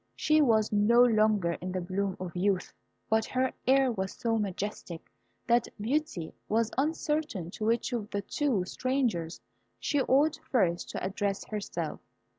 She was no longer in the bloom of youth, but her air was so majestic that Beauty was uncertain to which of the two strangers she ought first to address herself.